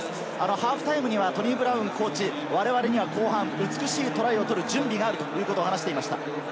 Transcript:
ハーフタイムにはトニー・ブラウンコーチ、我々には後半、美しいトライを取る準備があるということを話していました。